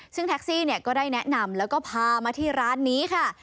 ซึ่งแท็กซี่ก็ได้แนะนำแล้วก็พามาที่ร้านนี้ค่ะ